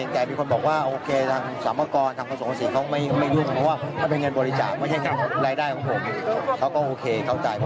อ๋อเดี๋ยวเราไปฟังดูนะครับ